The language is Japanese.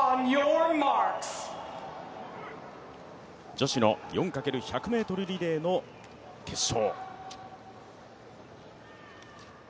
女子の４×１００ｍリレーの決勝。